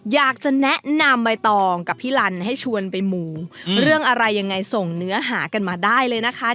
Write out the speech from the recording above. อยากจะแนะนำใบตองกับพี่ลันให้ชวนไปหมู่เรื่องอะไรยังไงส่งเนื้อหากันมาได้เลยนะคะ